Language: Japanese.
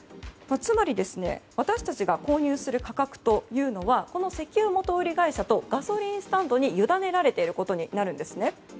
つまり、私たちが購入する価格というのはこの石油元売り会社とガソリンスタンドにゆだねられていることになるんですね。